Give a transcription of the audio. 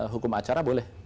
hukum acara boleh